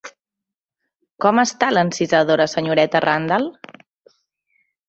Com està l'encisadora senyoreta Randal?